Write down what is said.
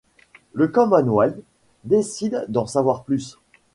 Le Commonwealth décide d'en savoir plus.